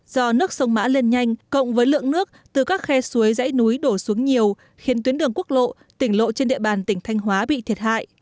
do nước sông mã lên nhanh cộng với lượng nước từ các khe suối dãy núi đổ xuống nhiều khiến tuyến đường quốc lộ tỉnh lộ trên địa bàn tỉnh thanh hóa bị thiệt hại